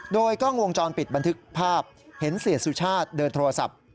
โดยกล้องวงจรปิดบันทึกภาพเห็นเสียสุชาติเดินโทรศัพท์